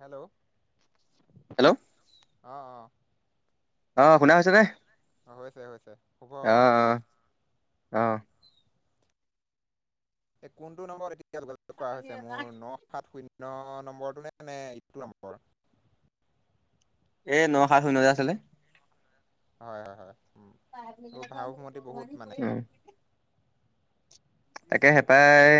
Hello hello অ অ শুনা হৈছে নে অ হৈছে হৈছে শুভ অ আবেলি অ এই কোনটো নম্বৰত এতিয়া যোগাযোগ কৰা হৈছে মোৰ ন সাত শূন্য ন নম্বৰটো নে, নে ইটো নম্বৰ। এ ন সাত শূন্য যে আছিলে হয়, হয়, হয়। উম, এইবোৰ ভাৱমতি বহুত মানে অ তাকে হেঁপাই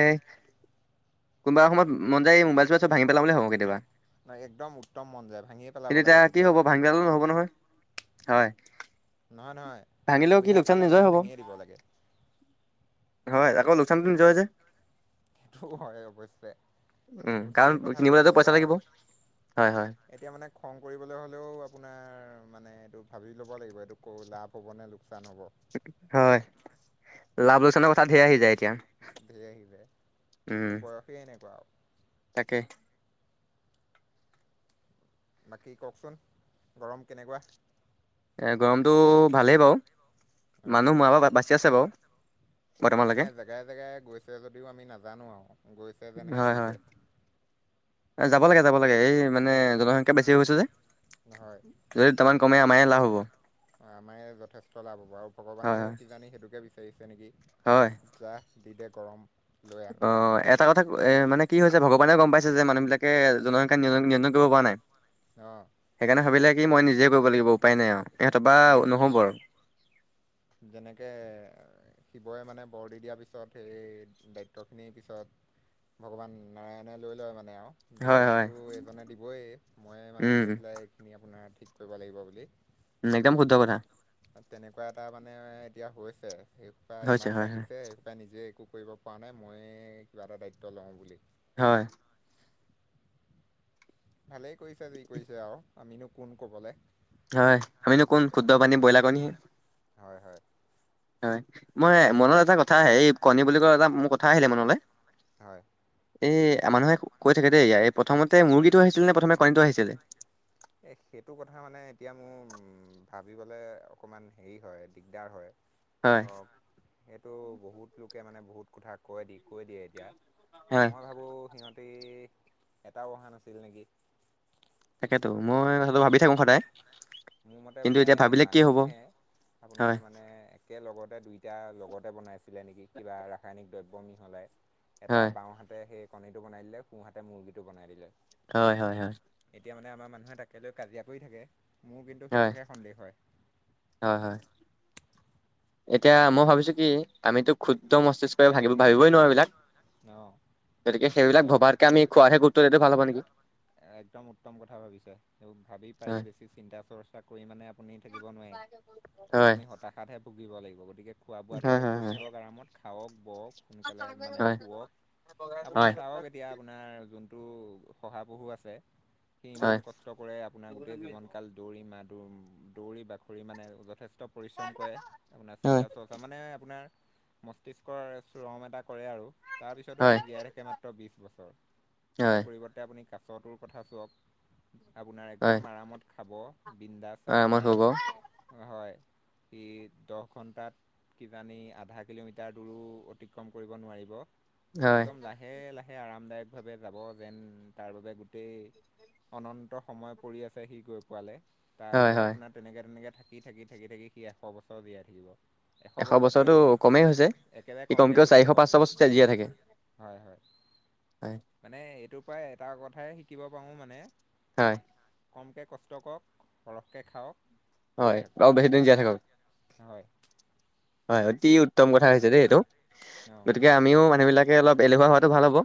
কোনোবা সময়ত উম, মন যায় মোবাইল চোবাইল চব ভাঙি পেলাম বুলি ভাবো কেতিয়াবা। নাই, একদম উত্তম মন যায় ভাঙিয়ে পেলাব কিন্তু এতিয়া লাগে কি হ'ব কেতিয়াবা ভাঙিলেটো নহ'ব নহয় হয়। নহয়, নহয় ভাঙিলেও কি সুবিধা লোকচান পালে নিজৰে মানে হ'ব ভাঙিয়ে দিব লাগে। হয় আকৌ লোকচানটো নিজৰে যে সেইটো হয় অৱশ্যে উম কাৰণ ধেৰ কথা ভাবিব কিনিবলৈতো পইচা লগা লাগিব হয়। হয় হয় এতিয়া মানে খং কৰিবলৈ হ'লেও আপোনাৰ মানে এইটো ভাবি ল'ব লাগিব এইটো কৈ লাভ হ'ব নে লো হয় লাভ লোকচানৰ কথা ঢেৰ আহি যায় এতিয়া। উম মে বয়সেই এনেকোৱা আৰু। তাকে বাকী কওকচোন গৰম কেনেকোৱা? এ গৰমতো ভালেই বাৰু অ মানুহ মৰাপা বাচি আছে বাও। নাই জেগাই জেগাই গৈছে যদিও আমি নাজানো আৰু গৈছে যেনহে হয় হয় লাগিছে। যাব লাগে, যাব লাগে, এই মানে জন সংখ্যা বেছি হৈছে যে যদি তামান কমে। মায় লাভ হ'ব। অ আমাৰ যথেষ্ট লাভ হব আৰু হয় ভগৱানেও হয় কিজানি সেইটোকে বিচাৰিছে নেকি? হয়। যিহে গৰম। লৈ আহ অ দুটামানক এটা বুলি কথা এ মানে কি হৈছে ভগ ৱা গম পাইছে যে মানুহ বিলাকে জনসংখ্যা নিয় নিয়ন্ত্ৰণ কৰিব পৰা নাই অ সেইকাৰণে ভাবিলে। কি মই নিজে কৰিব লাগিব উপায় নাই আৰু ইহঁতৰ বা উম নহ'ব আৰু। যেনেকে শিৱৰে মানে বৰ দি দিয়াৰ পিছত সেই দায়িত্বখিনিৰ পিছত ভগৱান নাৰায়ণে লৈ লয় মানে মানে আৰু হয় হয় বৰটোতো এইজনে দিবই মই মানে উম গৈ পেলাই এইখিনি আপোনাৰ। ঠিক কৰিব লাগিব বুলি। একদম শুদ্ধ কথা। তেনেকুৱা এটা মানে এতিয়া হৈছে সেইপা হৈছে ইমান হয় হয় বাঢ়িছে সেইপাই নিজে একো। কৰিব পৰা নাই ময় কিবা এটা দায়িত্ব লওঁ বুলি। হয় ভালেই কৈছো যি কৰিছে আৰু আমিনো কোন কবলে। হয় আমিনো কোন ক্ষুদ্ৰ পানী ব্ৰইলাৰ কণিহে। হয় হয় হয় মই মনত এটা কথা আহে এই কণী বুলি ক'লে এটা মোৰ কথা আহিলে মনলৈ। হয় এ মানুহে কৈ থাকে দেই এই প্ৰথমতে মুৰ্গীটো আহিছিলে নে প্ৰথমে কণীটো আহিছিলে। এ সেইটো কথা মানে এতিয়া মোৰ উ ভাবিবলে অকমান হেৰি হয় দিগদাৰ হয়। হয় ধৰক সেইটো বহুত লোকে মানে বহুত কথা কৈ দি কৈ দিয়ে এতিয়া হয় মই ভাবো সিহঁত। এটাও অহা নাছিল নেকি? তাকেইটো মই সেতু ভাবি থাকো সদায়। মোৰ মতে কিন্তু মানে এতিয়া এই ভাবিলে কি হ'ব মানুহহে হয় আপোনাৰ মানে একে লগতে দুই এতিয়া লগতে বনাইছিলে নেকি কিবা ৰাসায়নিক দ্ৰব্য মিহলাই এটা হয়, বাওঁহাতে সেই। কণী বনাই দিলে কোঁহাতে মুৰ্গীটো বনাই দিলে। হয়, হয়, হয়। এতিয়া মানে আমাৰ মানুহে তে লৈ কাজিয়া কৰি থাকে। মোৰ কিন্তু হয়, সেইটোহে সন্দেহ হয়। এতিয়া সেয়াই মই ভাবিছো কি আমিতো ক্ষুদ্ৰ মস্তিষ্ক ভাগিব ভাবিবই নোৱাৰো এই বিলাক অ'। গতিকে সেইবিলাক ভবাতকে আমি খোৱাহে গুৰুত্ব দিয়াটো ভাল হব নেকি [inaudible] একদম উত্তম কথা ভাবিছে এই ভাবি পাৰি হয়, বেছি চিন্তা চৰ্চা কৰি মানে আপুনি থাকিব নোৱাৰি হয়, আপুনি হতাশাতহে ভুগিব লাগিব গতিকে খোৱা হয়, বোৱাটোকে কৰি হয়, থাকক আৰামত খাওক বক সোনকালে মানে হয়, শুৱক আপুনি হয়, হয়, হয়, চাওক এতিয়া আপোনাৰ যোন শহাপহু আছে সি ইমান কষ্ট কৰে আপোনাৰ গোটেই জীৱন কাল দৌৰি মাত দৌৰি বাখৰি মানে যথেষ্ট পৰিশ্ৰম কৰে আপোনাৰ চিন্তা চৰ্চা মানে আপোনাৰ মস্তিষ্কৰ চৰম এটা কৰে আৰু তাৰ পিছতো সি হয়, হয়, জীয়াই থাকে মাত্ৰ বিশ বছৰ হয়, তাৰ পৰিৱৰ্তে আপুনি কাছটোৰ কথা চাওক আপোনাৰ হয়, একদম আৰামত খাব বিন্দাজ আৰামত আপোনাৰ শুব হয় সি দহ ঘন্টাত কিজানি আধা কিলোমিটাৰ দূৰো অতিক্ৰম কৰিব নোৱাৰিব হয়, একদম লাহে লাহে আৰামদায়ক ভাৱে যাব যেন তাৰ বাবে গোটেই অনন্ত সময় পৰি আছে সি গৈ পোৱালে হয়, তাৰপিছত হয়, আপোনাৰ তেনেকে তেনেকে থাকি থাকি থাকি থাকি সি এশ বছৰ জীয়াই থাকিব এশ বছৰতকৈ বছৰো অধিক কমেই হৈছে একেবাৰে ই কমকৈ কমকেও কৈছোঁ চাৰিশ এশ পাঁচশ বছৰ জিয়াই থাকে হয় হয় হয় নে এইটোৰ পৰাই এটা কথাই শিকিব পাৰো মানে হয় কমকৈ কষ্ট কৰক সৰহকৈ খাওক কৰি হয় থাকক আও বেছি দিন জীয়াই থাকক হয় হয় অতি উত্তম কথা হৈছে দেই এইটো অঁ গতিকে আমিও মানুহ বিলাকে অলপ এলেহুৱা হোৱাটো ভাল হ'ব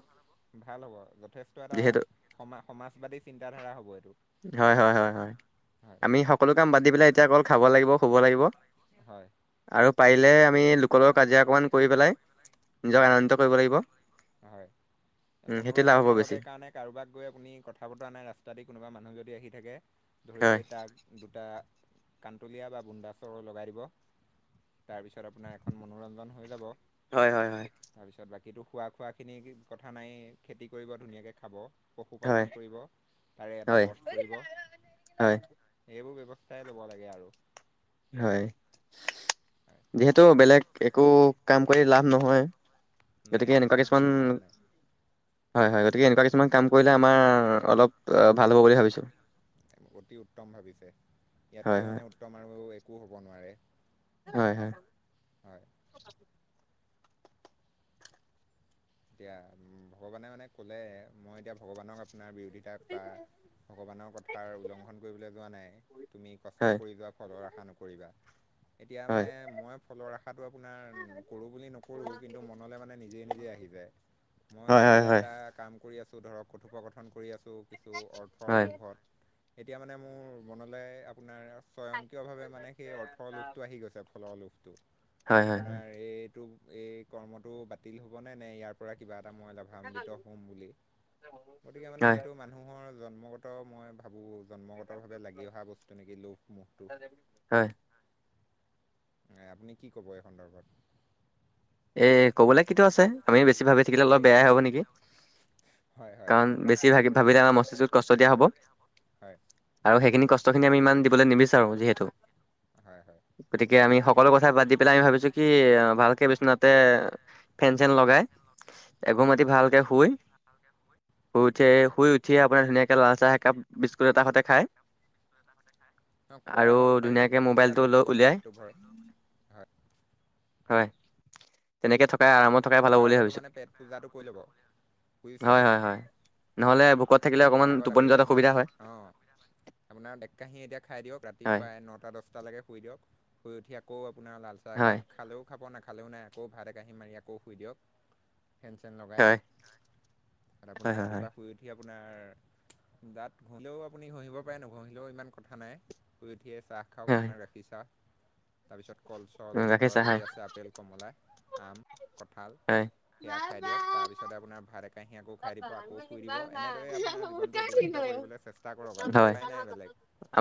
ভাল হ'ব যথেষ্ট এটা যিহেতু সম সমাজবাদী চিন্তা ধাৰা হ'ব এইটো হয়, হয়, হয় আমি সকলো কাম বাদ দিপেলাই এতিয়া অকল খাব লাগিব শুব লাগিব হয় আৰু পাৰিলে আমি লোকলগত কাজিয়া অকণমান কৰি পেলাই নিজক হয় আনন্দিত কৰিব লাগিব হয় উম সেইটোৱে লাভ হ'ব মনোৰঞ্জনৰ বেছি বাবে কাৰণে কাৰোবাক গৈ আপুনি কথা বতৰা নাই ৰাস্তা দি কোনোবা মানুহ যদি আহি থাকে। ধৰি হয়। লৈ তাক দুটা কানতলীয়া বা বুন্দাচৰ লগাই দিব। তাৰপিছত আপোনাৰ এখন মনোৰঞ্জন হৈ যাব। হয় হয় হয়। কিন্তু খোৱা খোৱাখিনি কথা নাই খেতি কৰিব ধুনীয়াকৈ খাব। হয় পশুপালন কৰিব তাৰে এটা হয় বধ কৰিব হয় এইবোৰ ব্যৱ চাই ল'ব লাগে আৰু হয় যিহেতু বেলেগ একো কাম কৰি লাভ নহয় নাই গতিকে এনেকুৱা কোনো কিছুমান কোনো লাভ নাই হয় হয় গতিকে এনেকুৱা কিছুমান কাম কৰিলে আমাৰ অলপ ভাল হ'ব বুলি ভাবিছোঁ। অতি উত্তম ভাবিছে হয় ইয়াতকৈ হয়। মানে উত্তম আৰু একো হ'ব নোৱাৰে। হয় হয়। হয় এতিয়া উ ভগৱানে মানে ক'লে মই এতিয়া ভগৱানক আপোনাৰ বিৰতি তাক বা ভগৱানৰ কথাৰ উলংঘন কৰিবলৈ যোৱা নাই। তুমি কষ্ট হয় কৰি যোৱা ফলৰ আশা নকৰিবা এতিয়া মানে হয় মই ফলৰ আশাটো আপোনাৰ কৰোঁ বুলি নকৰোঁ কিন্তু মনলৈ মানে নিজে নিজে আহিব। মই হয় হয় এতিয়া হয় এটা কাম কৰি আছো ধৰক কথোপকথন কৰি আছো। কিছু অৰ্থৰ হয় লোভত এতিয়া মানে মোৰ মনলৈ আপোনাৰ স্বয়ং কিয়ভাৱে মানে সেই অৰ্থৰ লোভটো আহি গৈছে ফলৰ লোভটো হয় হয় হয়। আপোনাৰ এই টো এই কৰ্মটো বাতিল হ'বনে নে ইয়াৰ পৰা কিবা এটা মই লাভান্বিত হম বুলি গতিকে মানে হয় এইটো মানুহৰ জন্মগত মই ভাবোঁ। জন্মগত ভাৱে লাগি অহা বস্তু নেকি লোভ মোহটো হয় আপুনি কি ক'ব এই সন্দৰ্ভত এ কবলে কিটো আছে আমি বেছি ভাবি থাকিলে অলপ বেয়াই হব নেকি? হয় হয় কাৰণ বেছি ভি ভাবিলে মস্তিষ্ত কষ্ট দিয়া হব হয় আৰু সেইখিনি কষ্ট কষ্ট খিনি আমি ইমান দিবলৈ নিবিচাৰো যিহেতু হয় হয় গতিকে উত্তম আমি ভাবিছে সকলো কথা বাদ দি পেলাই আমি ভাবিছো কি ভালকে বিচনাত তে ফেন চেন লগাই এঘুমটি হয় ভালকে শুই শুই উঠিয় হয় শুই উঠিয়ে আপোনাৰ ধুনীয়াক। লাল চাহ একাপ বিস্কুট এটা সতে খায়। অ আৰু শুৱাৰ আগতো পাৰিলে ধুনীয়াকৈ পেট পূজা মোবাইলটো কৰি লৈ ল'ব উলিয়াই আৰামটো হয় হয়। হয় তেনেকে থ শুৱাৰ আগতে মানে পেট পূজাটো কৰি ল'ব। বুজিছে হয় হয় হয় নহ'লে ভোকত থাকিলে অকমান খোৱাৰ আগত টোপনি আগতীয়াকে যোৱাত আপোনাৰ অসুবিধা পেট হয়। অ'। আপোনাৰ এককাহী এতিয়া খাই দিয়ক ৰাতি হয় প্ৰায় নটা দহটালৈকে শুই দিয়ক শুই উঠি আকৌ আপোনাৰ লাল চাহ হয় একাপ খালেও খাব নাখালেও নাই আকৌ ভাত একাহী মাৰি আকৌ শুই দিয়ক। ফেন চেন লগাই হয় হয় আপোনাৰ হয় হয় ৰাতিপুৱা শুই উঠি আপোনাৰ গাত ঘঁহিলেও আপুনি ঘঁহিব পাৰে নঘঁহিলেও ইমান কথা নাই। উঠিয়েই চাহ খাওক হয় আপোনাৰ গাখীৰচাহ তাৰপিছত কল চল গাখীৰ ঘৰত চাহ যি হয় আছে আপেল কমলা আম কঠাল হয় সেয়া খাই দিয়ক তাৰ পিছতে আপোনাৰ ভাত একাহী খাই দিব আকৌ শুই দিব এনেদৰে আপোনাৰ জীৱনটো অতিবাহিত কৰিবলৈ চেষ্টা কৰক আৰু উপায় নাই বেলেগ। হয়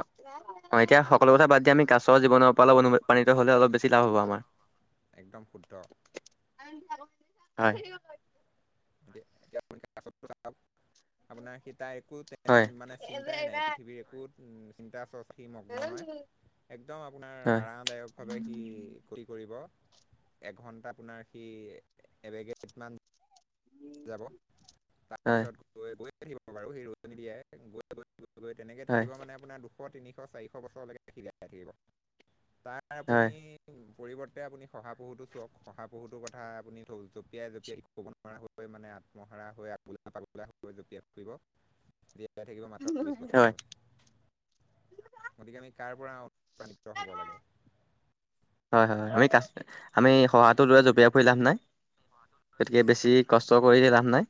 অ এতিয়া সকলো কথা দিয় আমি কাছৰ জীৱনৰ পৰা অপ অনুপ্ৰাণিত হলে অলপ বেছি লাভ হ'ব আমাৰ একদম শুদ্ধ। হয়। এতিয়া আপোনাৰ সি তাই একো হয় মানে চিন্তাই নাই পৃথিৱীৰ একো চিন্তা চৰ্চ সি মগ্ন নহয় একদম আপোনাৰ হয় আৰামদায়ক ভাৱে সি ফুৰ্তি কৰিব। এঘন্টা আপোনাৰ সি এবেগেত মান যাব হয় তাৰপিছত গৈ গৈ থাকিব বাৰু সি ৰৈ নিদিয়ে গৈ গৈ গৈ তেনেকৈ হয় থাকিব মানে আপোনাৰ দুশ তিনিশ চাৰিশ বছৰলৈকে সি জীয়াই থাকিব তাই আপুনি হয় পৰিৱৰ্তে আপুনি শহাপহুটো চাওক শহাপহুটোৰ কথা আপুনি ধ জপিয়াই জপিয়াই ক'ব নোৱাৰা। মানে আত্মহাৰা হৈ আগোলা পাগোলা হৈ জপিয়াই ফুৰিব জীয়াই থাকিব মাত্ৰ বিশ হয় বছৰ গতিকে আমি কাৰ পৰা অ হয় হয় আমি কা আমি শহা শহাটো দৰে জপিয়াই ফুৰি লাভ নাই গতিকে বেছি কষ্ট কৰিলে লাভ নাই।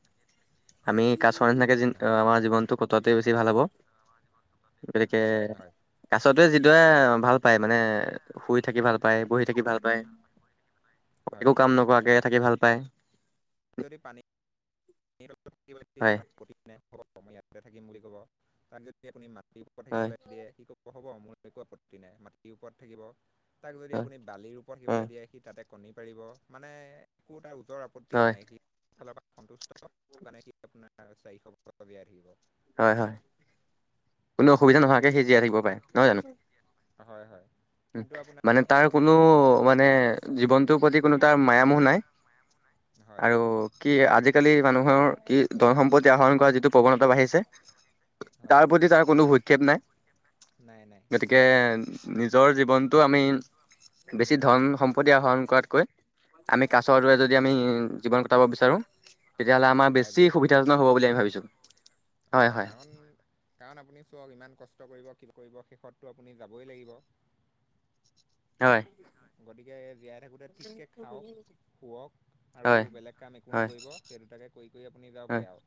আমি কাছ নিচিনাকে জী হয় আমাৰ জীৱনটো কতোৱাটোৱে বেছি ভাল হ'ব। গতিকে হয় কাছতে যিদৰে ভাল পায় মানে শুই থাকি ভাল পায় বহি থাকি ভাল পায় হয় একো কাম নকৰাকে। থাকি ভাল পায়। যদি পানী হয় ইয়াতে থাকিম বুলি কব তাক যদি আপুনি ম মাটিৰ ওপৰত হয় থাকিবলৈ দিয়ে কি ক হব মোৰ একো আপত্তি নাই মাটিৰ ওপৰত থাকিব। তাক যদি হয় আপুনি বালিৰ ওপৰত নি পেলাই হয় দিয়ে সি তাতে কণী পাৰিব মানে একো তাৰ। নিজৰ আপত্তিয়ে হয় নাই সি ফালৰ পৰা সন্তুষ্ট মানে সি আপোনাৰ চাৰিশ বছৰ জীয়াই থাকিব। হয় হয় কোনো অসুবিধা নোহোৱাকে সি জীয়াই থাকিব পাৰে নহয় জানো। হয় হয়। কিন্তু আপোনাৰ মানে শহাপহু তাৰ কোনো সেইটো হ'ব মানে জীৱনটোৰ প্ৰতি কোনো তাৰ মায়ামোহ নাই। হয় আৰু কি আজিকালি মানুহৰ কি ধন সম্পত্তি আহৰণ কৰা যিটো প্ৰৱণতা বাঢ়িছে। হয় তাৰ প্ৰতি তাৰ কোনো ভক্ষেপ নাই। নাই নাই গতিকে, নিজৰ জীৱনটো আমি বেছি ধন সম্পত্তি আহৰণ কৰাতকৈ আমি কাছৰ দৰে যদি আমি জীৱন কটাব বিচাৰো। তেতিয়াহ'লে আমাৰ খাই বেছি বৈ শুই সুবিধাজন হ'ব বুলি আমি ভাবছোঁ। হয়, কাৰণ কাৰণ আপুনি চক ইমান কষ্ট কৰিব। কি কৰিব শেষততটো আপুনি যাবই লাগিব। হয় গতিকে জীয়াই থাকোতে ঠিককে খাওক। শুৱক আৰু হয় হয় বেলেগ কাম একো নকৰিব, সেই দুটাকে কৰি কৰি আপুনি হয় যাওকগৈ আও।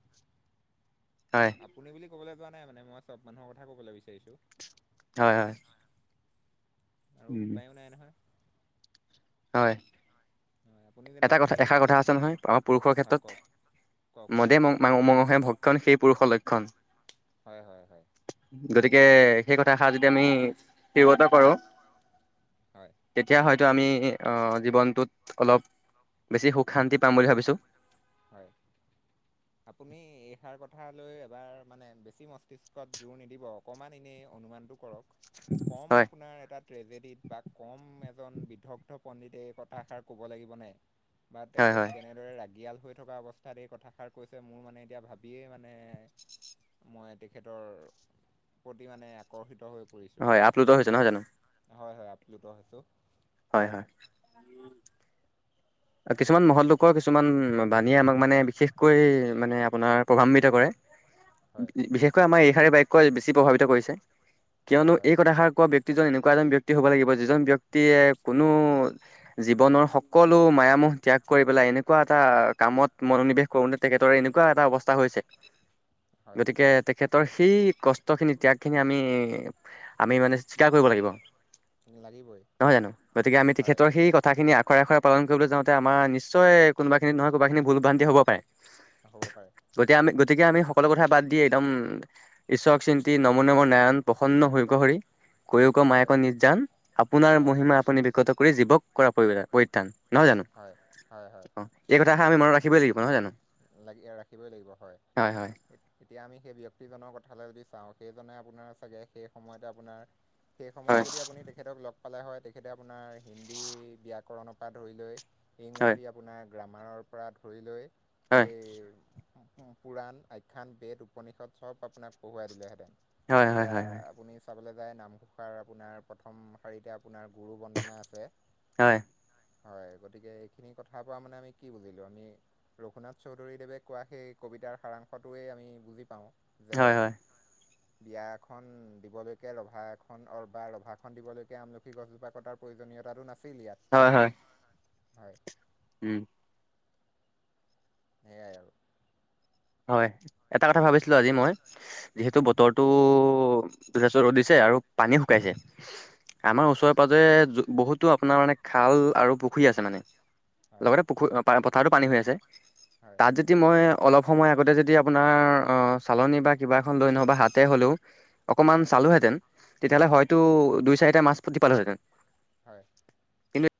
হয় আপুনি বুলি ক'বলৈ যোৱা নাই মানে মই চব মানুহৰ কথা ক'বলৈ বিচাৰিছো। হয়, হয়। আৰু উম উপায়ো নাই নহয়। হয়। হয় আপুনি যেনিবা এটা কথা এষাৰ কথা আছে নহয় আমাৰ পুৰুষৰ ঢেৰ হয় কওক কওক ক্ষেত্ৰত মদে মঙহে ভক্ষণ সেই পুৰুষৰ লক্ষণ। হয়, হয়, হয়। গতিকে সেই কথাষাৰ যদি আমি শগত কৰো হয় তেতিয়া হয়। আমি আহ জীৱনটোত অলপ বেছি সুখ শান্তি পাম বুলি ভাবিছো। হয়, আপুনি এইষাৰ কথা কথা লৈ এবাৰ মানে বেছি মস্তিষ্কত জোৰ নিদিব। অকণমান এনেই অনুমানটো কৰক। কম হয় আপোনাৰ এটা ট্ৰেজেড বা কম এজন বিধগ্ধ পণ্ডিতে এই কথাষাৰ কব লাগিব নে বা হয় তেখেত হয় কেনেদৰে ৰাগিয়াল হৈ থকা অৱস্থাত এই কথাষাৰ কৈছে মোৰ মানে এতিয়া ভাবিয়েই মানে, মই তেখেতৰ প্ৰতি মানে আকৰ্ষিত হৈ পৰিছোঁ। হয়, আপ্লুত হৈছে নহয় জানো? হয়, হয় আপ্লুত হৈছো। হয়, হয়। কিছুমান মহল লোকৰ কিছুমান বাণীয়ে আমাক মানে বিশেষকৈ মানে আপোনাৰ প্ৰভান্বিত কৰে। হয় বিশেষকৈ আমাৰ এইষাৰে বাক্য বেছি প্ৰভাৱিত কৰিছে। হয় কিয়নো হয় এই কথাষাৰ কোৱা ব্য ক্তিজন এনেকোৱা এজন ব্যক্তি হ'ব লাগিব, যিজন ব্যক্তিয়ে কোনো জীৱনৰ সকলো- মায়ামোহ ত্যাগ কৰি পেলাই এনেকোৱা এটা কামত মনোনিৱেশ কৰোতে তেখেতৰে এনেকোৱা এটা অৱস্থা হৈছে হয় গতিকে তেখেত তৰ সেই কষ্ট খিনি ত্যাগ খিনি আমি আমি মানে স্বীকাৰ কৰিব লাগিব। লাগিবই নহয় জানো? গতিকে আমি হয়। তেখেতৰ সেই কথাখিনি আখৰে আখৰে পালন কৰিবলে যাওতে আমাৰ নিশ্চয় কোনোবা খিনি নহয় কোনোবা খিনি ভুল ভ্ৰান্তি হ'ব পাৰে হ'ব পাৰে। গতিকে আমি গতিকে আমি সকলো কথা বাদ দিয়ে একদম ঈশ্বক চিন্তি নম নম নাৰায়ণ প্ৰসন্ন হৰিক হৰি কৈ ক হয় মায়োক নিজজান আপোনাৰ হয় হয় মহিমা আপুনি বিকত কৰি জীৱক কৰা পৰিত্ৰান। নহয় জানো। হয় হয় হয় অ, এই কথাষা আমি মনত ৰাখিবই লাগিব। নহয় জানো লাগি ৰাখিবই লাগিব হয়। তেতিয়া আমি সেই ব্যক্তিজনৰ কথালৈ যদি চাও সেইজনে আপোনাৰ চাগে সেই সময়তে আপোনাৰ সেই হয় সময়ত যদি আপুনি তেখেতক লগ পালে হয়, তেখেতে আপোনাৰ হিন্দী ব্যাকৰণৰ পৰা ধৰি লৈ হয় ইংৰাজী আপোনাৰ গ্ৰামাৰৰ পৰা ধৰি লৈ হয় সেই পুৰাণ আখ্যান বেদ উপনিষদ চব আপোনাক পঢ়ুৱাই দিলেহেতেন। হয় হয় এতিয়া হয় আপুনি চাবলৈ যায় নামঘোষাৰ আপোনাৰ প্ৰথম শাৰীতে আপোনাৰ গুৰু বন্দনা আছে। হয় হয়, গতিকে এইখিনি কথা পৰা মানে আমি কি বুজিলো আমি ৰঘুনাথ চৌধুৰীদেৱে কোৱা সেই কবিতাৰ সাৰাংশটোৱেই আমি বুজি পাওঁ। যে হয়, হয়। বিয়া এখন দিবলৈকে ৰভা এখন অ বা ৰভা খন দিবলৈকে আমলখি গছজোপা কটাৰ প্ৰয়োজনীয় আৰু নাছে হয় হয় হয় উম সেয়াই আৰু হয় এটা কথা ভাবিছিলো আজি মই যিহেতু হয় বতৰটো ৰদ' দিছে আৰু পানী শুকাইছে হয় আমাৰ ওচৰে পাজৰে বহুতো আপোনাৰ মানে খাল আৰু পুখুৰী আছে মানে হয় লগতে পুখুৰী পথাৰতো পানী হৈ আছে হয় তাত যদি মই অলপ সময় আগতে যদি আপোনাৰ অ চালনী বা কিবা এখন লৈ নহওয় বা হাতে হ'লেও অকনমান হয় চালোহেঁতেন তেতিয়াহ'লে হয় হয়তো দুই চাৰিটা মাছ পুতি পালোহেঁতেন হয় কিন্তু